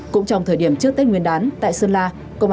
cũng trong thời điểm trước tết nguyên đán tại sơn la